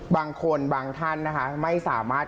บางคนบางท่านนะคะไม่สามารถ